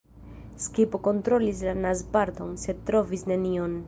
Skipo kontrolis la naz-parton, sed trovis nenion.